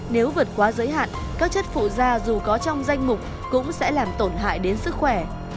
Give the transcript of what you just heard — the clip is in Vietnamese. nếu vượt quá giới hạn các chất phụ da dù có trong danh mục cũng sẽ làm tổn hại đến sức khỏe